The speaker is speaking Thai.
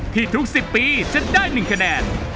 ที่ทุกสิบปีจะได้หนึ่งคะแนน